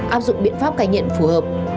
áp dụng biện pháp cài nghiện phù hợp